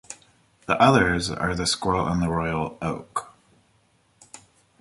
The others are The Squirrel and The Royal Oak.